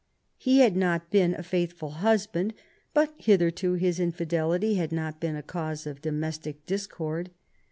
He had not been a faithful husband, but hitherto his infidelity had not been a cause of domestic discord.